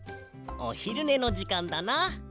おひるねのじかんだな。